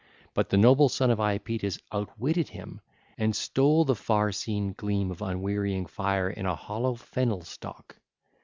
But the noble son of Iapetus outwitted him and stole the far seen gleam of unwearying fire in a hollow fennel stalk.